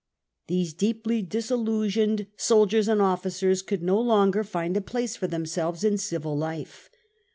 55 These deeply disillusioned soldiers and officers could no longer find a place for themselves in civil life.